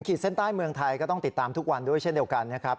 เส้นใต้เมืองไทยก็ต้องติดตามทุกวันด้วยเช่นเดียวกันนะครับ